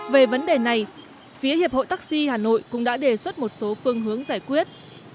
về vấn đề này phía hiệp hội taxi hà nội cũng đã đề xuất một số phương hướng giải quyết